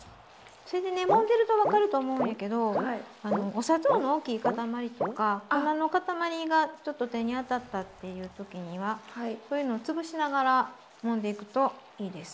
それでねもんでると分かると思うんやけどお砂糖の大きい塊とか粉の塊がちょっと手に当たったっていう時にはそういうの潰しながらもんでいくといいです。